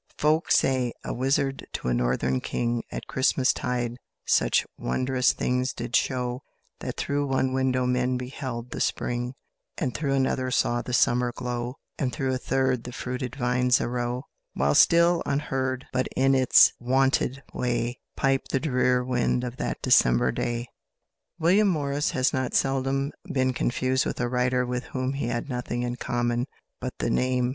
"Folk say, a wizard to a Northern King At Christmastide such wondrous things did show That through one window men beheld the Spring, And through another saw the Summer glow, And through a third the fruited vines arow, While still, unheard, but in its wonted way, Piped the drear wind of that December day." William Morris has not seldom been confused with a writer with whom he had nothing in common but the name.